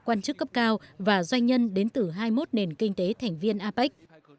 quan chức cấp cao và doanh nhân đến từ hai mươi một nền kinh tế thành viên apec